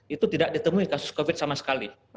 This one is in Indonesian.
itu tidak ditemui kasus covid sama sekali